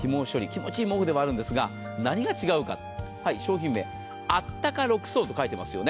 気持ち良い毛布なんですが何が違うか商品名あったか６層と書いています。